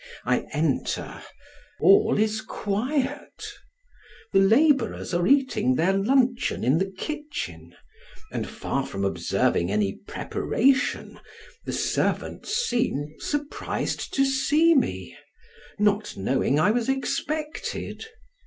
I enter; all is quiet; the laborers are eating their luncheon in the kitchen, and far from observing any preparation, the servants seem surprised to see me, not knowing I was expected.